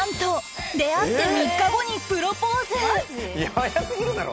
早すぎるだろ！